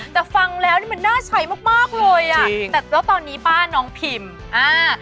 แต่ฟังแล้วนี่มันน่าใช้มากมากเลยอ่ะแต่แล้วตอนนี้ป้าน้องพิมอ่า